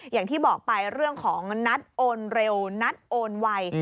อย่างที่บอกไปเรื่องของนัดโอนเร็วนัดโอนไว